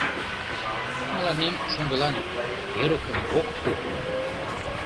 Мыланем, шоҥгылан, эрыкым ок пу: